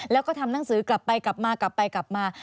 แล้วก็ทำหนังสือกลับไปกลับมากลับไปกลับมา